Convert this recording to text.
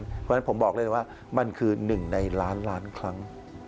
เพราะฉะนั้นผมบอกเลยว่ามันคือ๑ในล้านล้านครั้ง